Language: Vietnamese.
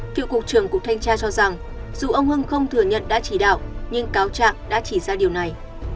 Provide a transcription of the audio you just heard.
cựu cục trưởng cục thanh tra cho rằng dù ông hưng không thừa nhận đã chỉ đạo nhưng cáo trạng đã chỉ ra điều này